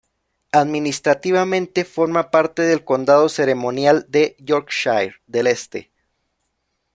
Administrativamente forma parte del condado ceremonial de Yorkshire del Este.